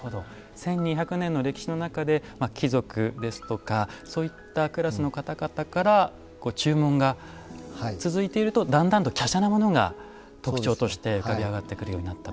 １２００年の歴史の中で貴族ですとかそういったクラスの方々から注文が続いているとだんだんときゃしゃなものが特徴として浮かび上がってくるようになったと。